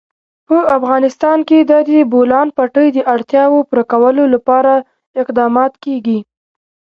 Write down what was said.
په افغانستان کې د د بولان پټي د اړتیاوو پوره کولو لپاره اقدامات کېږي.